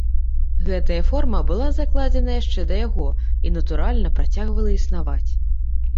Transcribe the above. Гэтая форма была закладзена яшчэ да яго і, натуральна, працягвала існаваць.